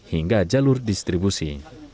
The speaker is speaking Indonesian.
hingga jalur distribusi